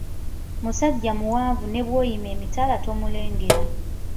Musajja muwanvu ne bw'oyima emitala tomulengera.